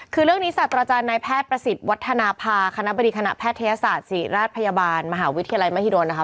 คือเรื่องนี้ศาสตราจารย์นายแพทย์ประสิทธิ์วัฒนภาคณะบดีคณะแพทยศาสตร์ศรีราชพยาบาลมหาวิทยาลัยมหิดลนะคะ